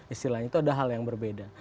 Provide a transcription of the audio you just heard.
istilahnya itu ada hal yang berbeda